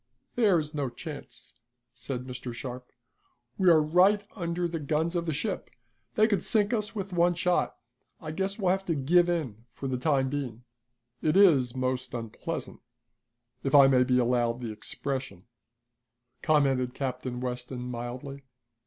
"There's no chance," said Mr. Sharp. "We are right under the guns of the ship. They could sink us with one shot. I guess we'll have to give in for the time being." "It is most unpleasant, if I may be allowed the expression," commented Captain Weston mildly.